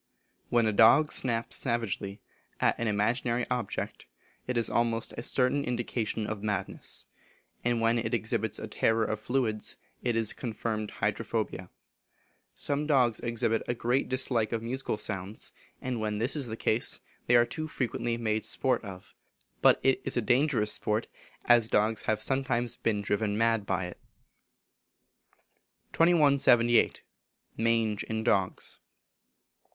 When a dog snaps savagely at an imaginary object, it is almost a certain indication of madness; and when it exhibits a terror of fluids, it is confirmed hydrophobia. Some dogs exhibit a great dislike of musical sounds, and when this is the case they are too frequently made sport of. But it is a dangerous sport, as dogs have sometimes been driven mad by it. 2178. Mange in Dogs.